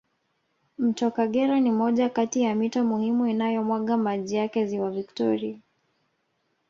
Mto kagera ni moja Kati ya mito muhimu inayo mwaga maji yake ziwa victoria